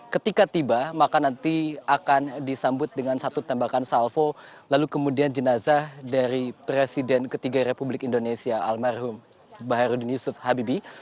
ketika tiba maka nanti akan disambut dengan satu tembakan salvo lalu kemudian jenazah dari presiden ketiga republik indonesia almarhum baharudin yusuf habibi